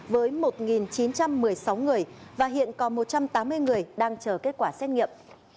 với một chín trăm một mươi sáu người và hiện còn một trăm tám mươi người đang chờ kết quả xét nghiệm